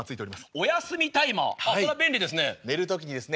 お休みタイマーそれは便利ですね。